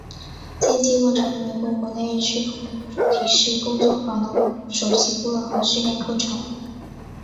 近期更成为美国国内日趋蓬勃的主题式工作坊的首席顾问和训练课程。